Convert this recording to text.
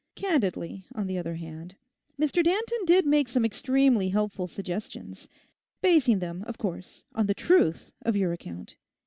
Candidly, on the other hand, Mr. Danton did make some extremely helpful suggestions—basing them, of course, on the truth of your account.